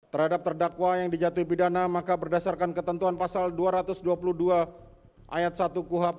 terhadap terdakwa yang dijatuhi pidana maka berdasarkan ketentuan pasal dua ratus dua puluh dua ayat satu kuhap